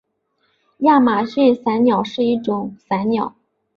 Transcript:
亚马逊伞鸟是一种伞鸟。